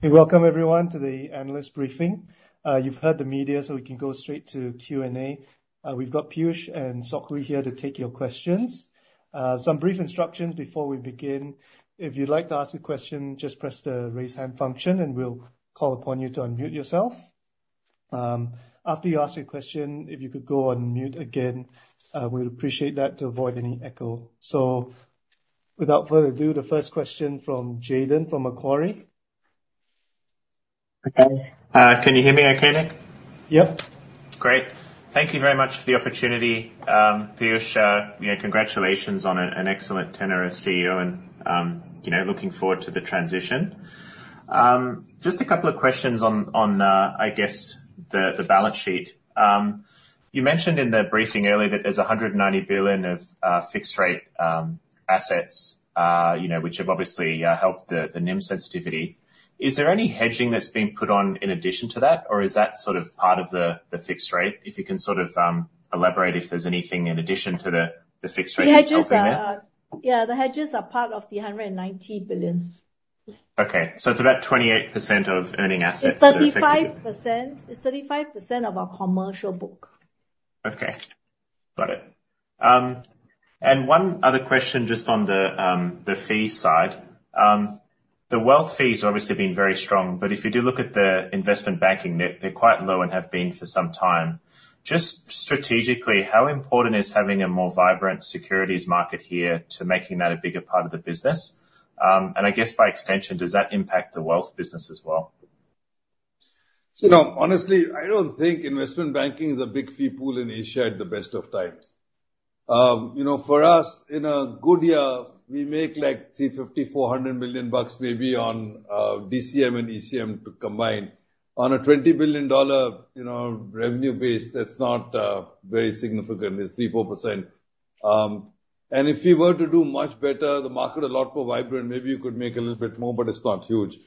Hey, welcome, everyone, to the analyst briefing. You've heard the media, so we can go straight to Q&A. We've got Piyush and Sok Hui here to take your questions. Some brief instructions before we begin. If you'd like to ask a question, just press the Raise Hand function, and we'll call upon you to unmute yourself. After you ask your question, if you could go on mute again, we'd appreciate that to avoid any echo. So without further ado, the first question from Jayden from Macquarie. Okay, can you hear me okay, Nick? Yep. Great. Thank you very much for the opportunity. Piyush, you know, congratulations on an excellent tenure as CEO and, you know, looking forward to the transition. Just a couple of questions on, I guess, the balance sheet. You mentioned in the briefing earlier that there's 190 billion of fixed-rate assets, you know, which have obviously helped the NIM sensitivity. Is there any hedging that's being put on in addition to that? Or is that sort of part of the fixed rate? If you can sort of elaborate if there's anything in addition to the fixed rate that's helping there. Yeah, the hedges are part of the 190 billion. Okay, so it's about 28% of earning assets that are affected- It's 35%. It's 35% of our commercial book. Okay, got it. And one other question just on the fee side. The wealth fees have obviously been very strong, but if you do look at the investment banking, they're quite low and have been for some time. Just strategically, how important is having a more vibrant securities market here to making that a bigger part of the business? And I guess, by extension, does that impact the wealth business as well? So now, honestly, I don't think investment banking is a big fee pool in Asia at the best of times. You know, for us, in a good year, we make, like, $350 million-$400 million bucks maybe on DCM and ECM to combine. On a $20 billion dollar, you know, revenue base, that's not very significant. It's 3%-4%. And if we were to do much better, the market a lot more vibrant, maybe you could make a little bit more, but it's not huge.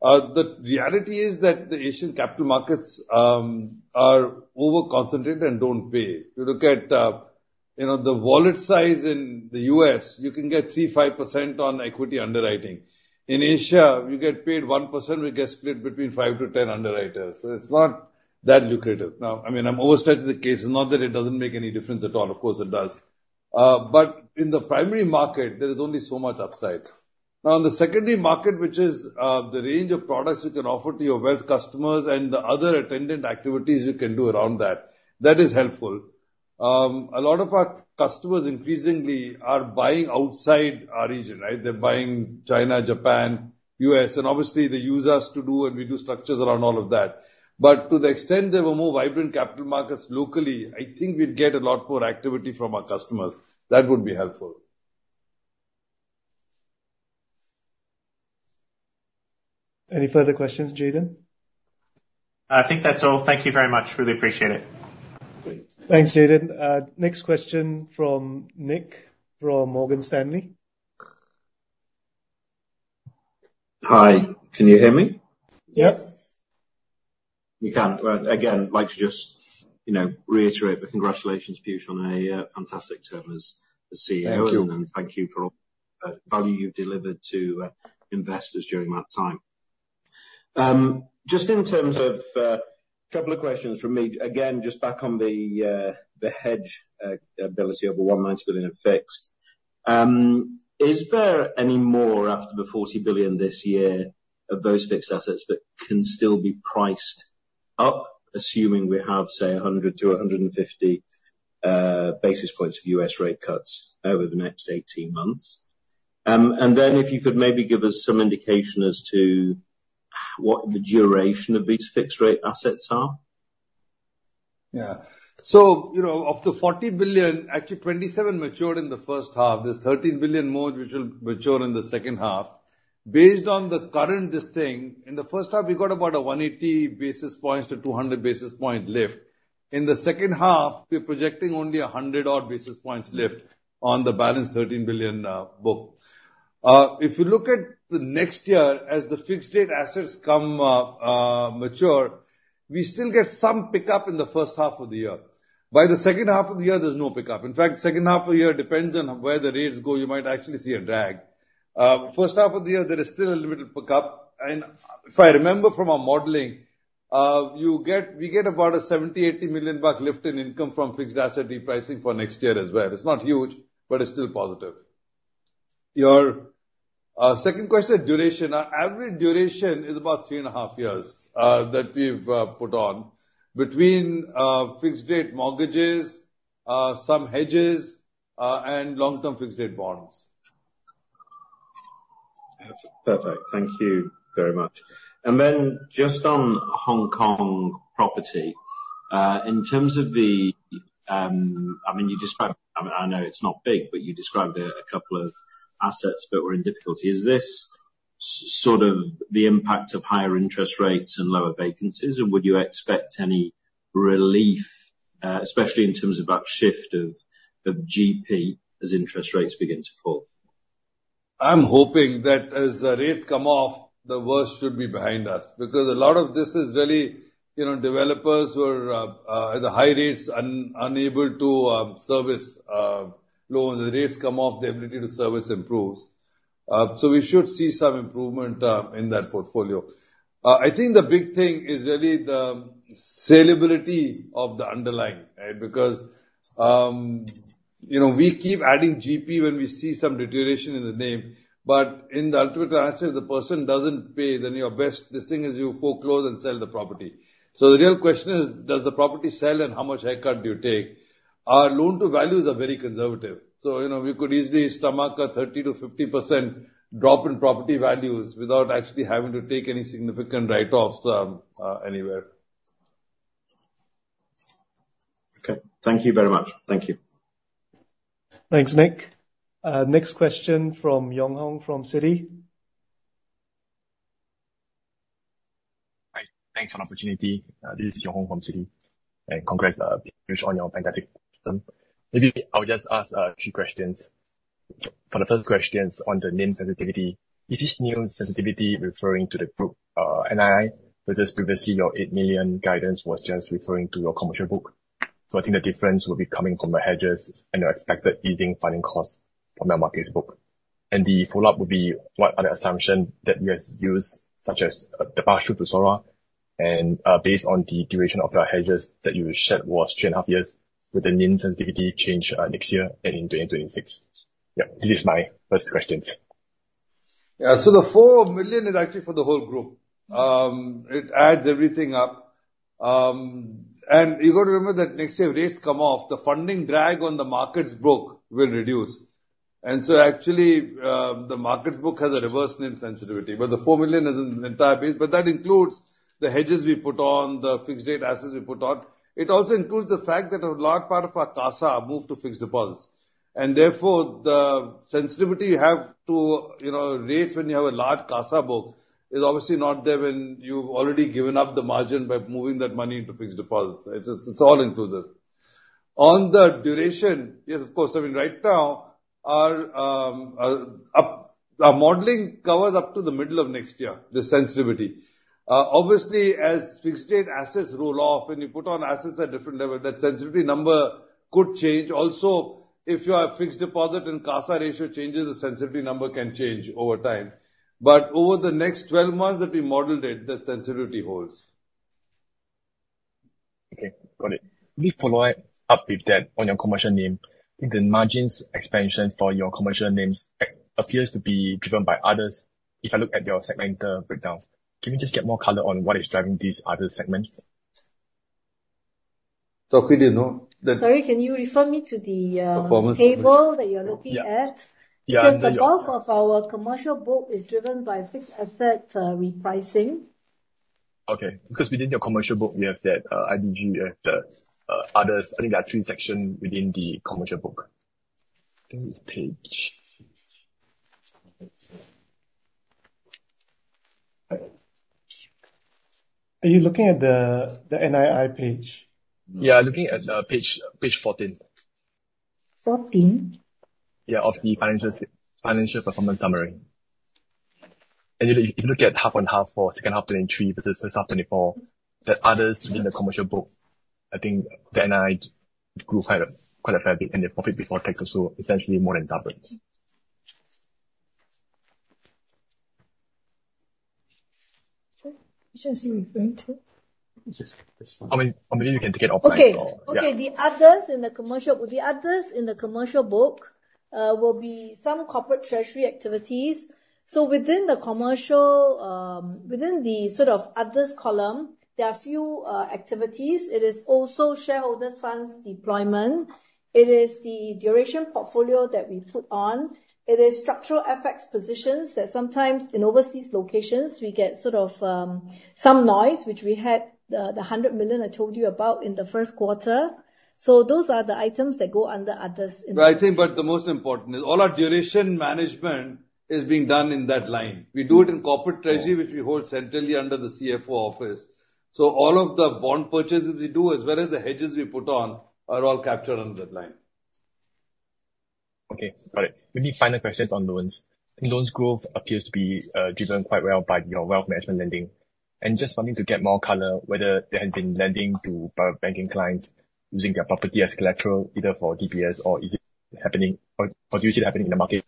The reality is that the Asian capital markets are over-concentrated and don't pay. You look at, you know, the wallet size in the U.S., you can get 3%-5% on equity underwriting. In Asia, you get paid 1%, which gets split between 5-10 underwriters, so it's not that lucrative. Now, I mean, I'm overstating the case. It's not that it doesn't make any difference at all. Of course, it does. But in the primary market, there is only so much upside. Now, in the secondary market, which is the range of products you can offer to your wealth customers and the other attendant activities you can do around that, that is helpful. A lot of our customers increasingly are buying outside our region, right? They're buying China, Japan, U.S., and obviously, they use us to do, and we do structures around all of that. But to the extent there were more vibrant capital markets locally, I think we'd get a lot more activity from our customers. That would be helpful. Any further questions, Jayden? I think that's all. Thank you very much. Really appreciate it. Great. Thanks, Jayden. Next question from Nick, from Morgan Stanley. Hi, can you hear me? Yes. Yes. We can. Well, again, I'd like to just, you know, reiterate the congratulations, Piyush, on a, fantastic term as the CEO- Thank you. Thank you for all the value you've delivered to investors during that time. Just in terms of a couple of questions from me, again, just back on the hedgeability of the 190 billion in fixed. Is there any more after the 40 billion this year of those fixed assets that can still be priced up, assuming we have, say, 100-150 basis points of U.S. rate cuts over the next 18 months? And then if you could maybe give us some indication as to what the duration of these fixed rate assets are. Yeah. So, you know, of the 40 billion, actually 27 matured in the first half. There's 13 billion more which will mature in the second half. Based on the current distinction, in the first half, we got about a 180 basis points to 200 basis point lift. In the second half, we're projecting only a 100 odd basis points lift on the balance 13 billion book. If you look at the next year, as the fixed rate assets come mature, we still get some pickup in the first half of the year. By the second half of the year, there's no pickup. In fact, second half of the year, depends on where the rates go, you might actually see a drag. First half of the year, there is still a little pickup, and if I remember from our modeling, we get about a $70 million-$80 million lift in income from fixed asset repricing for next year as well. It's not huge, but it's still positive. Your second question, duration. Our average duration is about three and a half years that we've put on between fixed-rate mortgages, some hedges, and long-term fixed-rate bonds. Perfect. Thank you very much. And then just on Hong Kong property, in terms of the, I mean, you described, I know it's not big, but you described a couple of assets that were in difficulty. Is this sort of the impact of higher interest rates and lower vacancies, and would you expect any relief, especially in terms of that shift of GP as interest rates begin to fall? I'm hoping that as the rates come off, the worst should be behind us because a lot of this is you know, developers who are at the high rates, unable to service loans. The rates come off, the ability to service improves. So we should see some improvement in that portfolio. I think the big thing is really the salability of the underlying, right? Because you know, we keep adding GP when we see some deterioration in the NIM. But in the ultimate answer, if the person doesn't pay, then your best thing is you foreclose and sell the property. So the real question is, does the property sell, and how much haircut do you take? Our loan-to-values are very conservative, so, you know, we could easily stomach a 30%-50% drop in property values without actually having to take any significant write-offs anywhere. Okay. Thank you very much. Thank you. Thanks, Nick. Next question from Tan Yong Hong from Citi. Hi. Thanks for the opportunity. This is Tan Yong Hong from Citi. Congrats on your fantastic quarter. Maybe I'll just ask three questions. For the first question, on the NIM sensitivity, is this NIM sensitivity referring to the group NII? Versus previously, your 8 million guidance was just referring to your commercial book. So I think the difference will be coming from the hedges and your expected easing funding costs from the markets book. The follow-up would be, what are the assumptions that you guys use, such as the pass-through to SORA? And based on the duration of your hedges that you said was 3.5 years, will the NIM sensitivity change next year and in 2026? Yeah, this is my first question. Yeah. So the 4 million is actually for the whole group. It adds everything up. And you've got to remember that next year, rates come off, the funding drag on the markets book will reduce. And so actually, the markets book has a reverse NIM sensitivity, but the 4 million is an entire base. But that includes the hedges we put on, the fixed rate assets we put on. It also includes the fact that a large part of our CASA moved to fixed deposits, and therefore, the sensitivity you have to, you know, rates when you have a large CASA book is obviously not there when you've already given up the margin by moving that money into fixed deposits. It's just, it's all included. On the duration, yes, of course. I mean, right now, our modeling covers up to the middle of next year, the sensitivity. Obviously, as fixed-rate assets roll off and you put on assets at different level, that sensitivity number could change. Also, if you have fixed deposit and CASA ratio changes, the sensitivity number can change over time, but over the next 12 months that we modeled it, the sensitivity holds. Okay, got it. Let me follow it up with that on your commercial NIM. I think the margins expansion for your commercial NIMs appears to be driven by others, if I look at your segmental breakdowns. Can we just get more color on what is driving these other segments? We didn't know that- Sorry, can you refer me to the? Performance? table that you're looking at? Yeah. Yeah. Because the bulk of our commercial book is driven by fixed asset repricing. Okay. Because within your commercial book, we have that, IBG, we have the others. I think there are three sections within the commercial book. I think it's page... Are you looking at the NII page? Yeah, I'm looking at, page, page 14. Fourteen? Yeah, of the financial performance summary. And if you, if you look at half on half for second half 2023 versus first half 2024, the others in the commercial book, I think the NII grew quite a, quite a fair bit, and the profit before tax was also essentially more than doubled. Which one is he referring to? Just, just- I mean, or maybe you can take it offline. Okay. Yeah. Okay, the others in the commercial... The others in the commercial book will be some corporate treasury activities. So within the commercial, within the sort of others column, there are a few activities. It is also shareholders' funds deployment. It is the duration portfolio that we put on. It is structural FX positions that sometimes in overseas locations, we get sort of some noise, which we had, the 100 million I told you about in the first quarter. So those are the items that go under others in- But I think the most important is all our duration management is being done in that line. Mm-hmm. We do it in corporate treasury- Mm which we hold centrally under the CFO office. So all of the bond purchases we do, as well as the hedges we put on, are all captured under that line. Okay, got it. Maybe final questions on loans. Loans growth appears to be driven quite well by your wealth management lending. And just wanting to get more color, whether there has been lending to private banking clients using their property as collateral, either for DPS or is it happening, or do you see it happening in the market?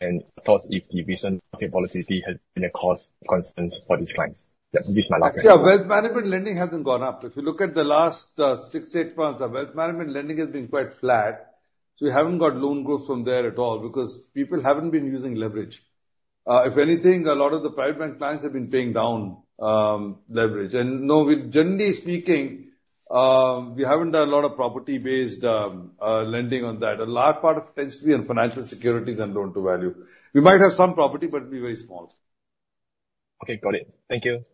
And of course, if the recent market volatility has been a cause of concerns for these clients. Yeah, this is my last question. Yeah, wealth management lending hasn't gone up. If you look at the last six, eight months, our wealth management lending has been quite flat. So we haven't got loan growth from there at all, because people haven't been using leverage. If anything, a lot of the private bank clients have been paying down leverage. And no, we generally speaking, we haven't done a lot of property-based lending on that. A large part of it tends to be on financial securities and loan to value. We might have some property, but it'll be very small. Okay, got it. Thank you.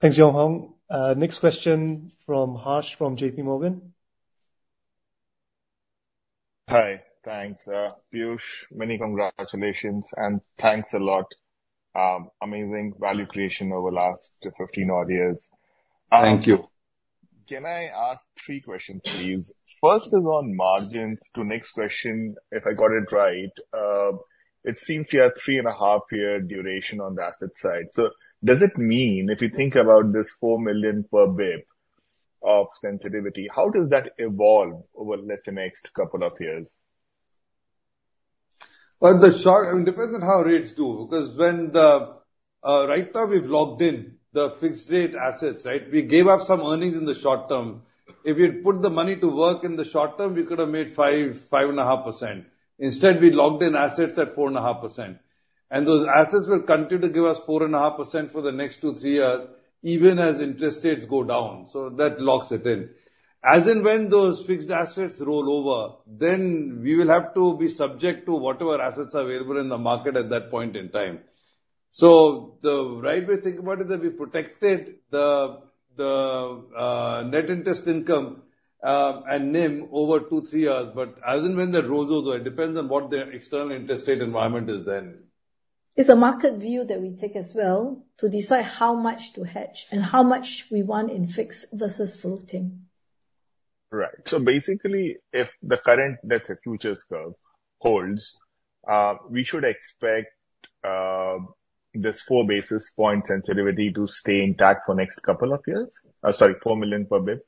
Thanks, Yong Hong. Next question from Harsh, from J.P. Morgan. Hi. Thanks, Piyush. Many congratulations, and thanks a lot. Amazing value creation over the last 15 odd years. Thank you. Can I ask 3 questions, please? First is on margins. To next question, if I got it right, it seems you have 3.5-year duration on the asset side. So does it mean if you think about this 4 million per bip of sensitivity, how does that evolve over the next couple of years? Well, it depends on how rates do, because right now, we've locked in the fixed rate assets, right? We gave up some earnings in the short term. If we had put the money to work in the short term, we could have made 5%-5.5%. Instead, we locked in assets at 4.5%, and those assets will continue to give us 4.5% for the next two, three years, even as interest rates go down. So that locks it in. As and when those fixed assets roll over, then we will have to be subject to whatever assets are available in the market at that point in time. So the right way to think about it is that we protected the net interest income and NIM over two, three years, but as and when that rolls over, it depends on what the external interest rate environment is then. It's a market view that we take as well to decide how much to hedge and how much we want in fixed versus floating. Right. So basically, if the current, that's a futures curve, holds, we should expect this 4 basis point sensitivity to stay intact for next couple of years? Sorry, 4 million per basis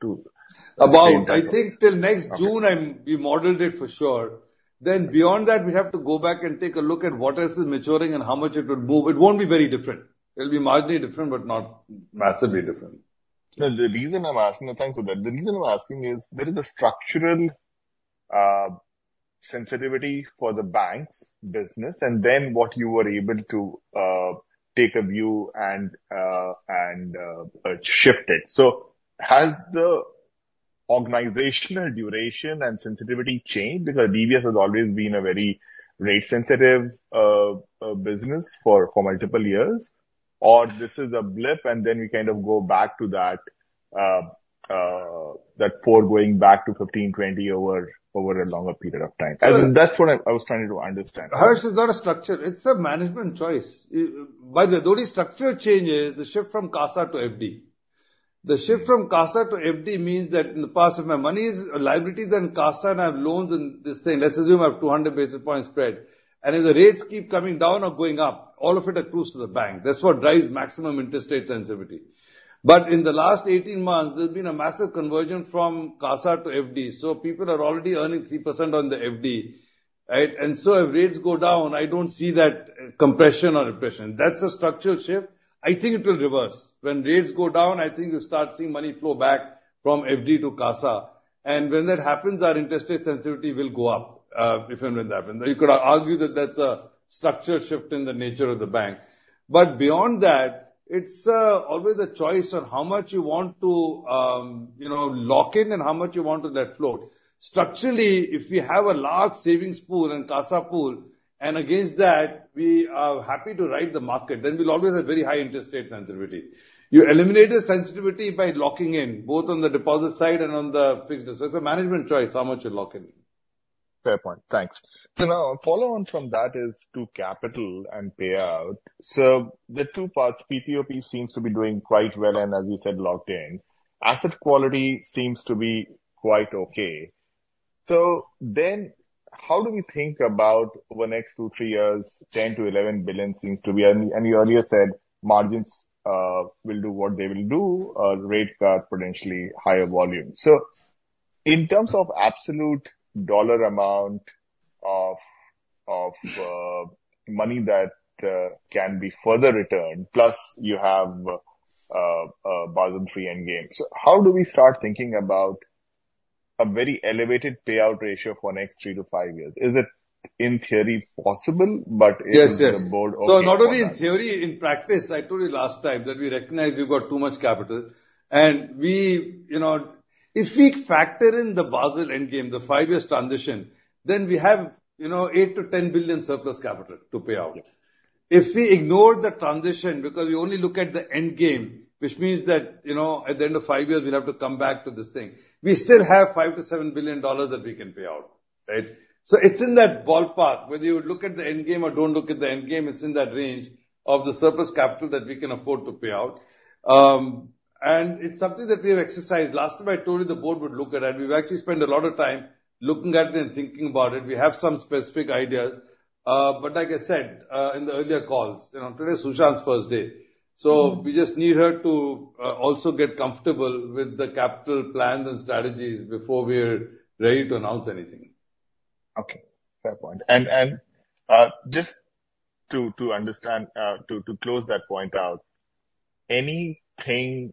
point to- I think till next June, we modeled it for sure. Then beyond that, we have to go back and take a look at what else is maturing and how much it would move. It won't be very different. It'll be marginally different, but not massively different. The reason I'm asking, and thanks for that. The reason I'm asking is, there is a structural sensitivity for the bank's business and then what you were able to take a view and shift it. So has the organizational duration and sensitivity changed? Because DBS has always been a very rate sensitive business for multiple years. Or this is a blip and then we kind of go back to that four going back to 15, 20 over a longer period of time. That's what I was trying to understand. Harsh, it's not a structure, it's a management choice. By the way, the only structural change is the shift from CASA to FD. The shift from CASA to FD means that in the past, if my money is liabilities and CASA, and I have loans in this thing, let's assume I have 200 basis point spread, and if the rates keep coming down or going up, all of it accrues to the bank. That's what drives maximum interest rate sensitivity. But in the last 18 months, there's been a massive conversion from CASA to FD, so people are already earning 3% on the FD, right? And so if rates go down, I don't see that compression or repression. That's a structural shift. I think it will reverse. When rates go down, I think you'll start seeing money flow back from FD to CASA. When that happens, our interest rate sensitivity will go up, if and when that happens. You could argue that that's a structural shift in the nature of the bank. But beyond that, it's always a choice on how much you want to, you know, lock in and how much you want to let float. Structurally, if we have a large savings pool and CASA pool, and against that, we are happy to ride the market, then we'll always have very high interest rate sensitivity. You eliminate the sensitivity by locking in, both on the deposit side and on the fixed. So it's a management choice, how much you lock in. Fair point. Thanks. So now follow on from that is to capital and payout. So the two parts, PPOP seems to be doing quite well and as you said, locked in. Asset quality seems to be quite okay. So then how do we think about over the next two, three years, 10 billion-11 billion seems to be... And you earlier said margins will do what they will do, rate cut, potentially higher volume. So in terms of absolute dollar amount of money that can be further returned, plus you have Basel III Endgame. So how do we start thinking about a very elevated payout ratio for next three, five years? Is it in theory possible, but is- Yes, yes. The board okay with that? So not only in theory, in practice, I told you last time that we recognize we've got too much capital, and we, you know, if we factor in the Basel III Endgame, the five-year transition, then we have, you know, $8 billion-$10 billion surplus capital to pay out. If we ignore the transition because we only look at the endgame, which means that, you know, at the end of five years, we'll have to come back to this thing, we still have $5 billion-$7 billion that we can pay out, right? So it's in that ballpark. Whether you look at the endgame or don't look at the endgame, it's in that range of the surplus capital that we can afford to pay out. And it's something that we have exercised. Last time I told you the board would look at it, we've actually spent a lot of time looking at it and thinking about it. We have some specific ideas, but like I said, in the earlier calls, you know, today is Su Shan's first day. So we just need her to also get comfortable with the capital plans and strategies before we're ready to announce anything. Okay. Fair point. And just to understand, to close that point out, anything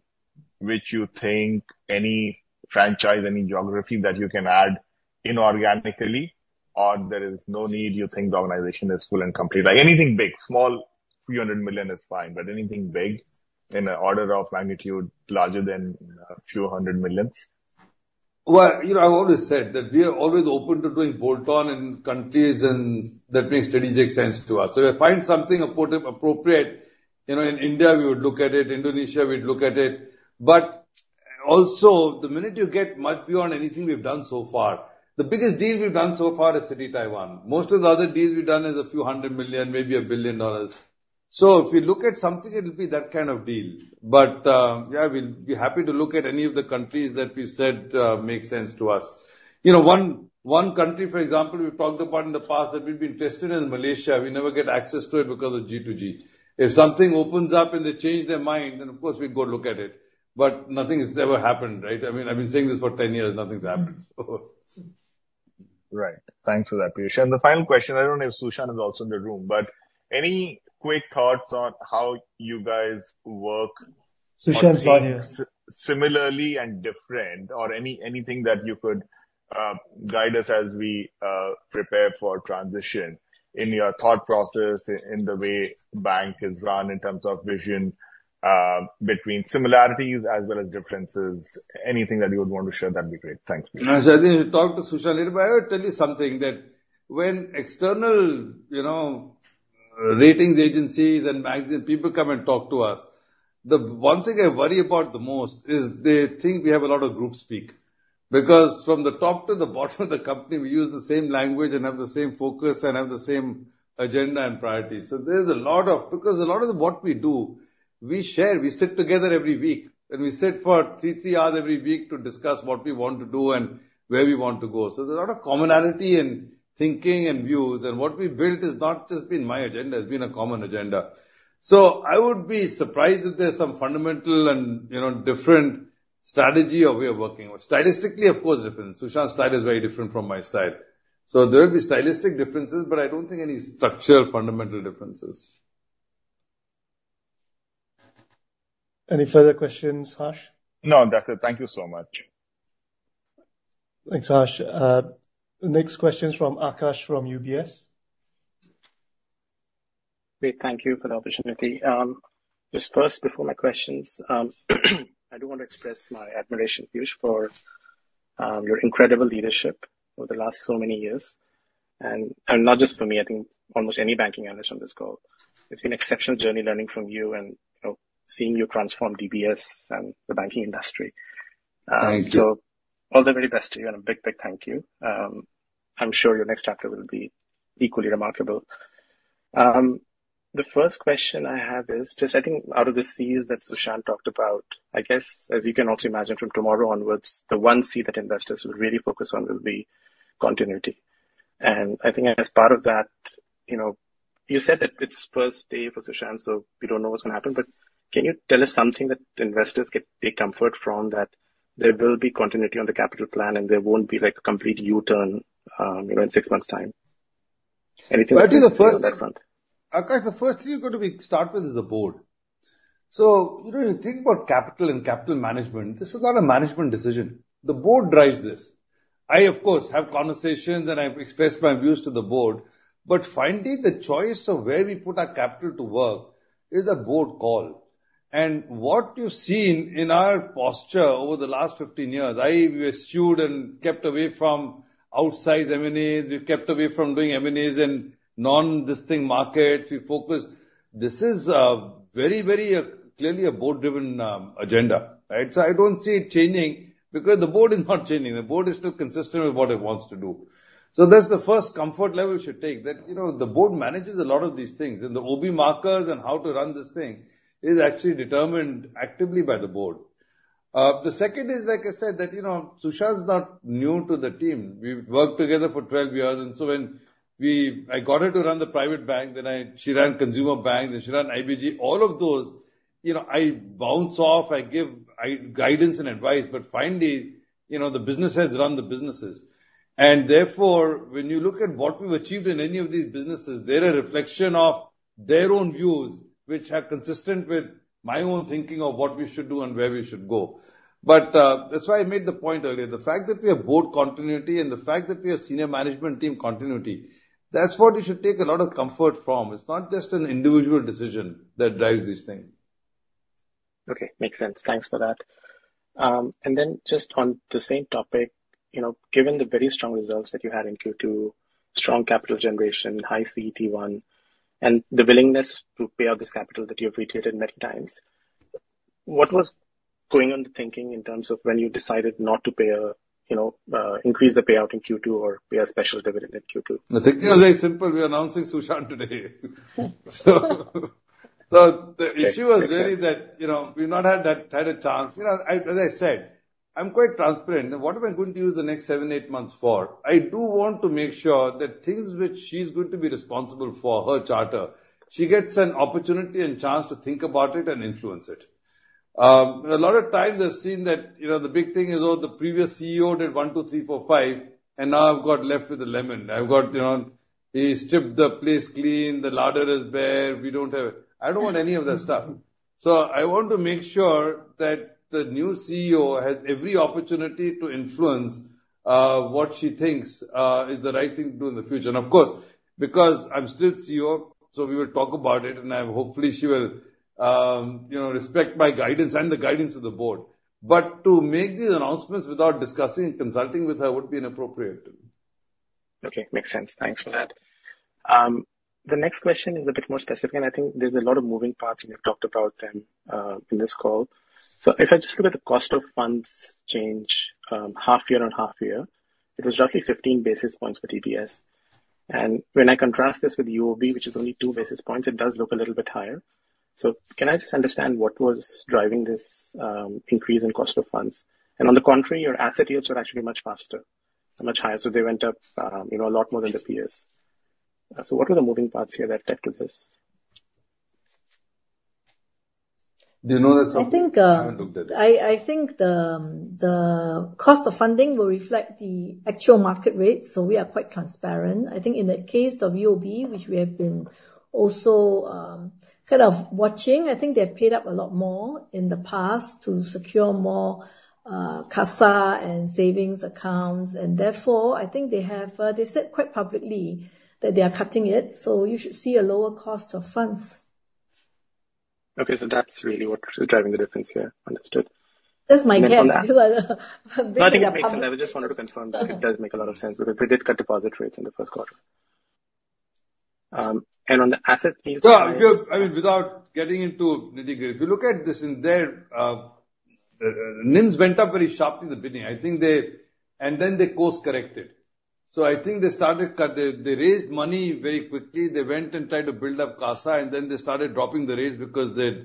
which you think, any franchise, any geography that you can add inorganically, or there is no need, you think the organization is full and complete? Like anything big, small, 300 million is fine, but anything big in an order of magnitude larger than a few 100 million? Well, you know, I've always said that we are always open to doing bolt-on in countries and that makes strategic sense to us. So if we find something appropriate, you know, in India, we would look at it, Indonesia, we'd look at it. But also, the minute you get much beyond anything we've done so far, the biggest deal we've done so far is Citi Taiwan. Most of the other deals we've done is a few hundred million, maybe $1 billion. So if we look at something, it'll be that kind of deal. But, yeah, we'll be happy to look at any of the countries that you said, make sense to us. You know, one country, for example, we've talked about in the past that we've been tested in Malaysia, we never get access to it because of G2G. If something opens up and they change their mind, then of course we'll go look at it, but nothing has ever happened, right? I mean, I've been saying this for 10 years, nothing's happened. Right. Thanks for that, Piyush. The final question, I don't know if Su Shan is also in the room, but any quick thoughts on how you guys work- Su Shan's not here. Similarities and differences, or anything that you could guide us as we prepare for transition in your thought process, in the way bank is run in terms of vision, between similarities as well as differences. Anything that you would want to share, that'd be great. Thanks, Piyush. No, so I think you talk to Su Shan later, but I will tell you something, that when external, you know, ratings agencies and banks and people come and talk to us, the one thing I worry about the most is they think we have a lot of group speak, because from the top to the bottom of the company, we use the same language and have the same focus and have the same agenda and priorities. So there's a lot of—because a lot of what we do, we share, we sit together every week, and we sit for 3, 3 hours every week to discuss what we want to do and where we want to go. So there's a lot of commonality in thinking and views, and what we've built has not just been my agenda, it's been a common agenda. So I would be surprised if there's some fundamental and, you know, different strategy or way of working. Stylistically, of course, different. Su Shan's style is very different from my style. So there will be stylistic differences, but I don't think any structural, fundamental differences. Any further questions, Harsh? No, that's it. Thank you so much. Thanks, Harsh. Next question is from Aakash from UBS. Great, thank you for the opportunity. Just first, before my questions, I do want to express my admiration, Piyush, for your incredible leadership over the last so many years. Not just for me, I think almost any banking analyst on this call. It's been an exceptional journey learning from you and, you know, seeing you transform DBS and the banking industry. Thank you. So all the very best to you and a big, big thank you. I'm sure your next chapter will be equally remarkable. The first question I have is, just I think out of the Cs that Su Shan talked about, I guess, as you can also imagine, from tomorrow onwards, the one C that investors will really focus on will be continuity. And I think as part of that, you know, you said that it's first day for Su Shan, so we don't know what's gonna happen, but can you tell us something that investors can take comfort from, that there will be continuity on the capital plan and there won't be, like, a complete U-turn, you know, in six months' time? Anything on that front. Aakash, the first thing you're going to be start with is the board. So, you know, you think about capital and capital management, this is not a management decision. The board drives this. I, of course, have conversations and I express my views to the board, but finally, the choice of where we put our capital to work is a board call. And what you've seen in our posture over the last 15 years, I, we eschewed and kept away from outsized M&As, we've kept away from doing M&As in non-distinct markets. We focused... This is very, very clearly a board-driven agenda, right? So I don't see it changing, because the board is not changing. The board is still consistent with what it wants to do. So that's the first comfort level you should take, that, you know, the board manages a lot of these things, and the OB markers and how to run this thing is actually determined actively by the board. The second is, like I said, that, you know, Su Shan's not new to the team. We've worked together for 12 years, and so when we—I got her to run the private bank, then she ran consumer bank, then she ran IBG. All of those, you know, I bounce off, I give guidance and advice, but finally, you know, the business has run the businesses. And therefore, when you look at what we've achieved in any of these businesses, they're a reflection of their own views, which are consistent with my own thinking of what we should do and where we should go. But, that's why I made the point earlier, the fact that we have board continuity and the fact that we have senior management team continuity, that's what you should take a lot of comfort from. It's not just an individual decision that drives this thing. Okay, makes sense. Thanks for that. And then just on the same topic, you know, given the very strong results that you had in Q2, strong capital generation, high CET1, and the willingness to pay out this capital that you have reiterated many times, what was going on in the thinking in terms of when you decided not to pay a, you know, increase the payout in Q2 or pay a special dividend in Q2? The thinking was very simple. We are announcing Su Shan today. So, so the issue was really that, you know, we've not had that- had a chance. You know, I, as I said, I'm quite transparent. Now, what am I going to use the next seven, eight months for? I do want to make sure that things which she's going to be responsible for, her charter, she gets an opportunity and chance to think about it and influence it. A lot of times I've seen that, you know, the big thing is, oh, the previous CEO did one, two, three, four, five, and now I've got left with a lemon. I've got, you know, he stripped the place clean, the larder is bare, we don't have... I don't want any of that stuff. So I want to make sure that the new CEO has every opportunity to influence what she thinks is the right thing to do in the future. And of course, because I'm still CEO, so we will talk about it, and hopefully she will you know respect my guidance and the guidance of the board. But to make these announcements without discussing and consulting with her would be inappropriate. Okay, makes sense. Thanks for that. The next question is a bit more specific, and I think there's a lot of moving parts, and you've talked about them in this call. So if I just look at the cost of funds change, half year on half year. It was roughly 15 basis points for DBS. And when I contrast this with UOB, which is only 2 basis points, it does look a little bit higher. So can I just understand what was driving this increase in cost of funds? And on the contrary, your asset yields are actually much faster and much higher, so they went up, you know, a lot more than the peers. So what were the moving parts here that led to this? Do you know that, Sok Hui? I think, I haven't looked at it. I think the cost of funding will reflect the actual market rate, so we are quite transparent. I think in the case of UOB, which we have been also kind of watching, I think they've paid up a lot more in the past to secure more CASA and savings accounts, and therefore, I think they have. They said quite publicly that they are cutting it, so you should see a lower cost of funds. Okay, so that's really what is driving the difference here. Understood. That's my guess, because- No, I think it makes sense. They are public. I just wanted to confirm that. It does make a lot of sense, because they did cut deposit rates in the first quarter, and on the asset piece- Well, if you have... I mean, without getting into nitty-gritty, if you look at this in there, NIMS went up very sharply in the beginning. I think they. And then they course-corrected. So I think they started cut, they, they raised money very quickly. They went and tried to build up CASA, and then they started dropping the rates because they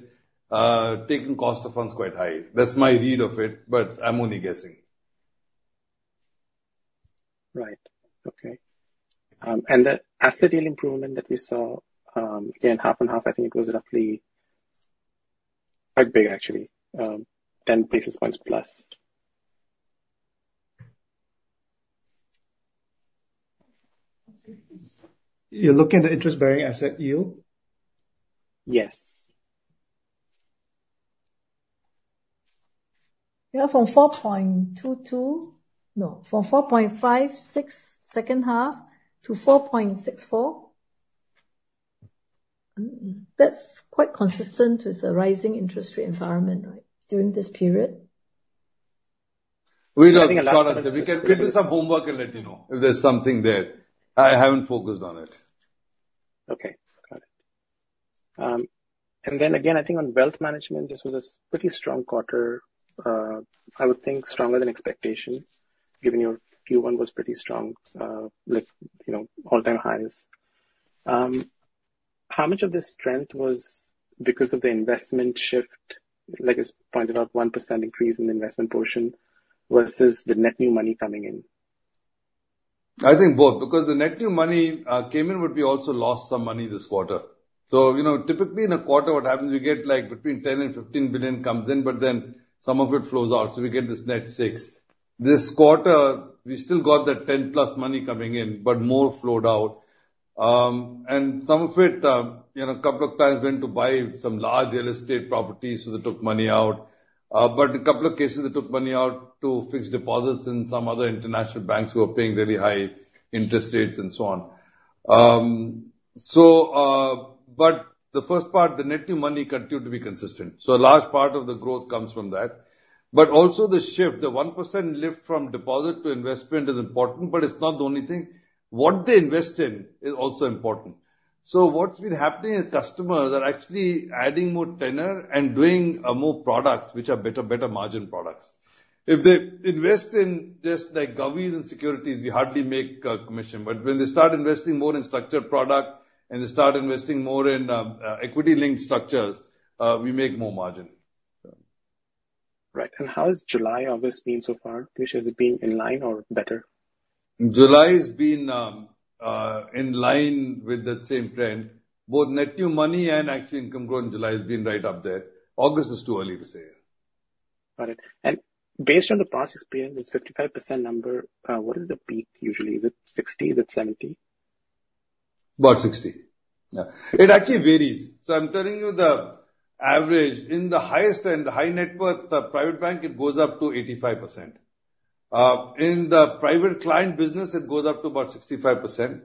taking cost of funds quite high. That's my read of it, but I'm only guessing. Right. Okay, and the asset yield improvement that we saw, again, half and half. I think it was roughly quite big, actually, 10 basis points plus. You're looking at the interest-bearing asset yield? Yes. Yeah, from 4.22... No, from 4.56, second half, to 4.64. That's quite consistent with the rising interest rate environment, right, during this period? We don't- I think a large part of it- We can do some homework and let you know if there's something there. I haven't focused on it. Okay. Got it. And then again, I think on wealth management, this was a pretty strong quarter. I would think stronger than expectation, given your Q1 was pretty strong, with, you know, all-time highs. How much of this strength was because of the investment shift, like you pointed out, 1% increase in the investment portion versus the net new money coming in? I think both, because the net new money came in, but we also lost some money this quarter. So, you know, typically in a quarter, what happens, we get, like, between 10 billion and 15 billion comes in, but then some of it flows out, so we get this net 6 billion. This quarter, we still got that 10-plus money coming in, but more flowed out. And some of it, you know, a couple of clients went to buy some large real estate properties, so they took money out. But a couple of cases, they took money out to fixed deposits in some other international banks who are paying really high interest rates and so on. So, but the first part, the net new money continued to be consistent, so a large part of the growth comes from that. But also the shift, the 1% lift from deposit to investment is important, but it's not the only thing. What they invest in is also important. So what's been happening is customers are actually adding more tenure and doing more products, which are better, better margin products. If they invest in just, like, govies and securities, we hardly make commission, but when they start investing more in structured product and they start investing more in equity-linked structures, we make more margin. So. Right. And how is July, August been so far? Which has it been, in line or better? July has been in line with that same trend. Both net new money and actually income growth in July has been right up there. August is too early to say. Got it. Based on the past experience, this 55% number, what is the peak usually? Is it 60%? Is it 70%? About 60%. Yeah. It actually varies. So I'm telling you the average. In the highest end, the high net worth, the private bank, it goes up to 85%. In the private client business, it goes up to about 65%.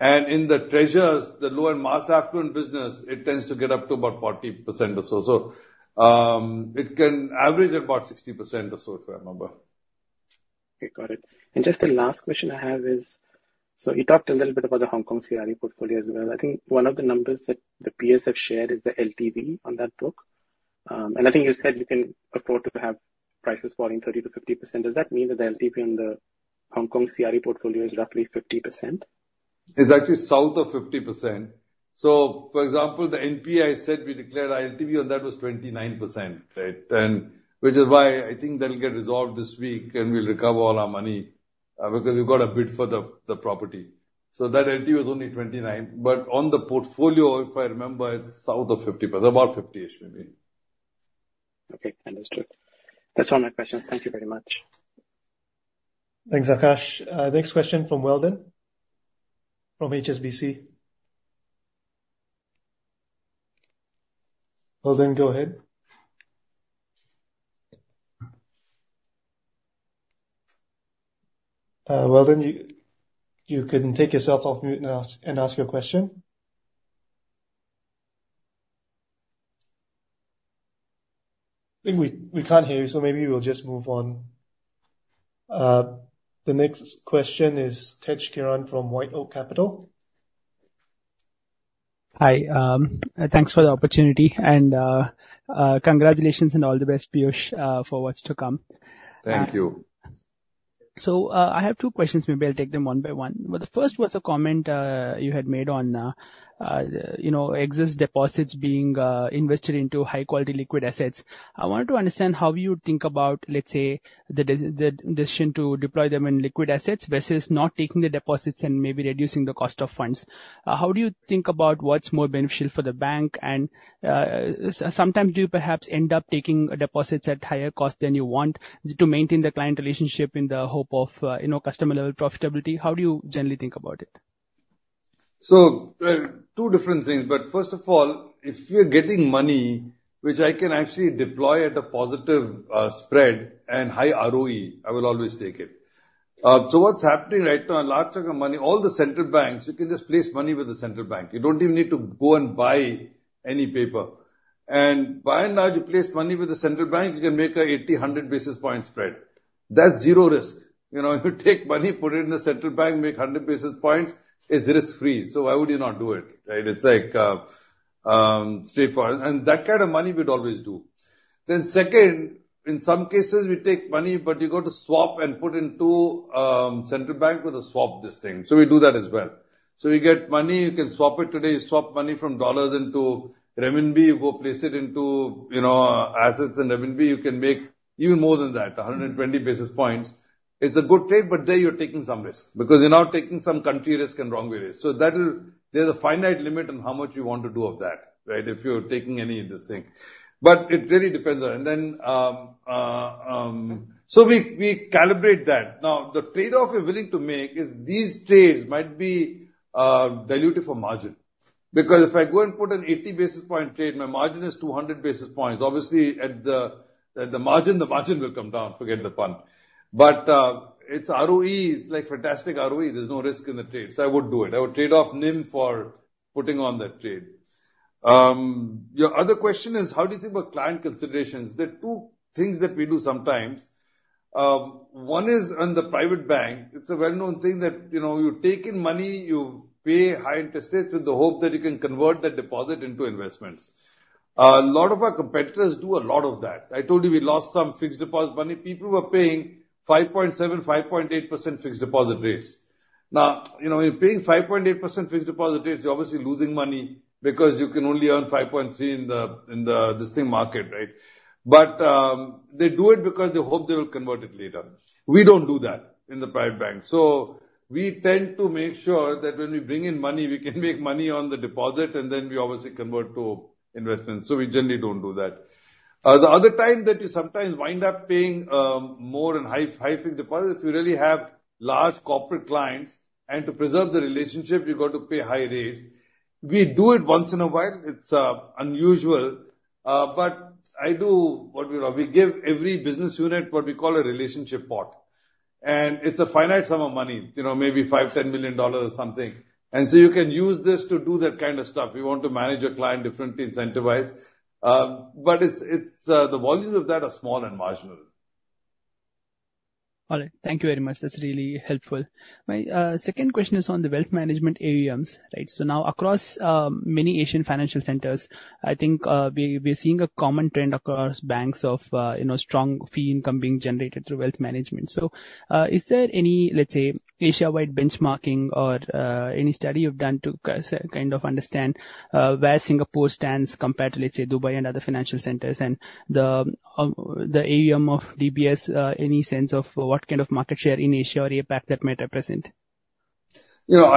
And in the Treasures, the lower mass affluent business, it tends to get up to about 40% or so. So, it can average about 60% or so, if I remember. Okay, got it. Just the last question I have is: so you talked a little bit about the Hong Kong CRE portfolio as well. I think one of the numbers that the peers have shared is the LTV on that book. And I think you said you can afford to have prices falling 30%-50%. Does that mean that the LTV on the Hong Kong CRE portfolio is roughly 50%? It's actually south of 50%. So for example, the NPA, I said we declared our LTV, and that was 29%, right? And which is why I think that'll get resolved this week, and we'll recover all our money, because we've got a bid for the property. So that LTV was only 29%, but on the portfolio, if I remember, it's south of 50%, about 50%-ish maybe. Okay, understood. That's all my questions. Thank you very much. Thanks, Akash. Next question from Weldon from HSBC. Weldon, go ahead. Weldon, you can take yourself off mute and ask your question. I think we can't hear you, so maybe we'll just move on. The next question is Tej Kiran from White Oak Capital.... Hi, thanks for the opportunity, and, congratulations and all the best, Piyush, for what's to come. Thank you. So, I have two questions. Maybe I'll take them one by one. But the first was a comment you had made on, you know, excess deposits being invested into high quality liquid assets. I wanted to understand how you think about, let's say, the decision to deploy them in liquid assets versus not taking the deposits and maybe reducing the cost of funds. How do you think about what's more beneficial for the bank? And, sometimes, do you perhaps end up taking deposits at higher cost than you want to maintain the client relationship in the hope of, you know, customer level profitability? How do you generally think about it? So, two different things, but first of all, if you're getting money, which I can actually deploy at a positive, spread and high ROE, I will always take it. So what's happening right now, a large chunk of money, all the central banks, you can just place money with the central bank. You don't even need to go and buy any paper. And by and large, you place money with the central bank, you can make an 80-100 basis point spread. That's zero risk. You know, if you take money, put it in the central bank, make 100 basis points, it's risk-free, so why would you not do it, right? It's like, straightforward. And that kind of money we'd always do. Then second, in some cases, we take money, but you've got to swap and put into central bank with a swap this thing. So we do that as well. So we get money, you can swap it today, swap money from dollars into renminbi, go place it into, you know, assets in renminbi, you can make even more than that, 120 basis points. It's a good trade, but there you're taking some risk, because you're now taking some country risk and wrong way risk. So that'll. There's a finite limit on how much you want to do of that, right? If you're taking any of this thing. But it really depends on. And then, so we calibrate that. Now, the trade-off we're willing to make is these trades might be dilutive for margin. Because if I go and put an 80 basis point trade, my margin is 200 basis points. Obviously, at the margin, the margin will come down, forget the pun. But it's ROE, it's like fantastic ROE. There's no risk in the trade, so I would do it. I would trade off NIM for putting on that trade. Your other question is, how do you think about client considerations? There are two things that we do sometimes. One is on the private bank. It's a well-known thing that, you know, you take in money, you pay high interest rates with the hope that you can convert that deposit into investments. A lot of our competitors do a lot of that. I told you we lost some fixed deposit money. People were paying 5.7%-5.8% fixed deposit rates. Now, you know, if you're paying 5.8% fixed deposit rates, you're obviously losing money because you can only earn 5.3% in this thing, market, right? But they do it because they hope they will convert it later. We don't do that in the private bank. So we tend to make sure that when we bring in money, we can make money on the deposit, and then we obviously convert to investments. So we generally don't do that. The other time that you sometimes wind up paying more and high fixed deposits, if you really have large corporate clients, and to preserve the relationship, you've got to pay high rates. We do it once in a while. It's unusual, but I do what we... We give every business unit what we call a relationship pot, and it's a finite sum of money, you know, maybe $5 million-$10 million or something. So you can use this to do that kind of stuff. We want to manage a client differently, incentivize. But it's, it's, the volume of that are small and marginal. All right. Thank you very much. That's really helpful. My second question is on the wealth management AUMs, right? So now, across many Asian financial centers, I think, we, we're seeing a common trend across banks of, you know, strong fee income being generated through wealth management. So, is there any, let's say, Asia-wide benchmarking or, any study you've done to kind of understand, where Singapore stands compared to, let's say, Dubai and other financial centers, and the, the AUM of DBS, any sense of what kind of market share in Asia or APAC that might represent? You know,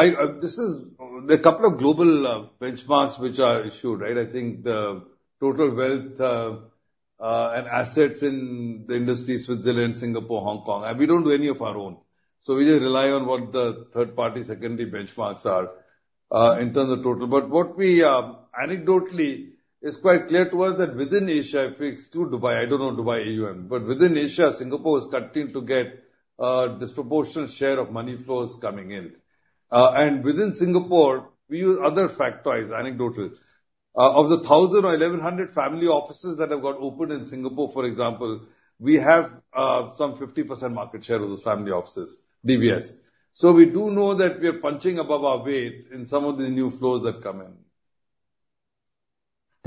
there are a couple of global benchmarks which are issued, right? I think the total wealth and assets in the industry is Switzerland, Singapore, Hong Kong, and we don't do any of our own. So we just rely on what the third party, secondary benchmarks are in terms of total. But what we anecdotally is quite clear to us that within Asia, if we exclude Dubai, I don't know Dubai AUM, but within Asia, Singapore is starting to get a disproportionate share of money flows coming in. And within Singapore, we use other factoids, anecdotal. Of the 1,000 or 1,100 family offices that have got opened in Singapore, for example, we have some 50% market share of those family offices, DBS. We do know that we are punching above our weight in some of the new flows that come in.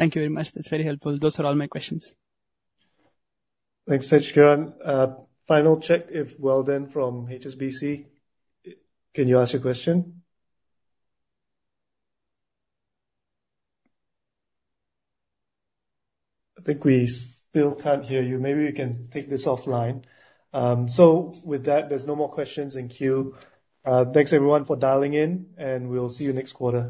Thank you very much. That's very helpful. Those are all my questions. Thanks, Tej Kiran. Final check, if Weldon from HSBC, can you ask your question? I think we still can't hear you. Maybe we can take this offline. So with that, there's no more questions in queue. Thanks everyone for dialing in, and we'll see you next quarter.